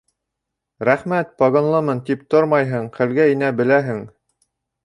Рәхмәт, погонлымын, тип тормайһың, хәлгә инә беләһең.